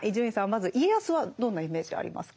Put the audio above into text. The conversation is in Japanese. まず家康はどんなイメージありますか？